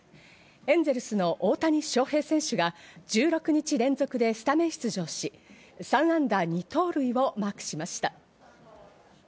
エンゼルスの大谷翔平選手が１６日連続でスタメン出場し、３安打２盗塁をマークしました。